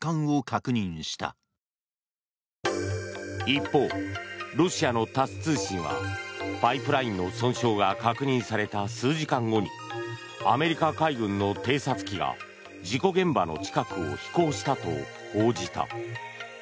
一方、ロシアのタス通信はパイプラインの損傷が確認された数時間後にアメリカ海軍の偵察機が事故現場の近くを飛行したと報じた。